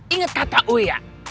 ingat kata u ya